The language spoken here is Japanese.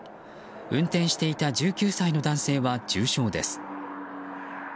運転していた１９歳の男性は重傷です。